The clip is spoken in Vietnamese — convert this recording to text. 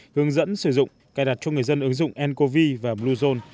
hướng dẫn sử dụng cài đặt cho người dân ứng dụng ncov và bluezone